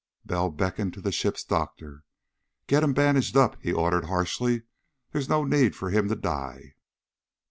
Bell beckoned to the ship's doctor. "Get him bandaged up," he ordered harshly. "There's no need for him to die."